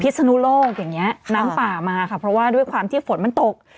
ศนุโลกอย่างเงี้ยน้ำป่ามาค่ะเพราะว่าด้วยความที่ฝนมันตก